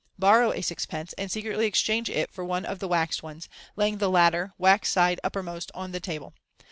Borrow a sixpence, and secretly exchange it for one of the waxed ones, laying the latter, waxed side uppermost, on the table.